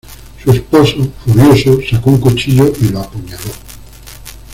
Su esposo, furioso, sacó un cuchillo y lo apuñaló.